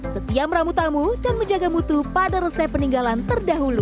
setiap ramu tamu dan menjaga mutu pada resep peninggalan terdahulu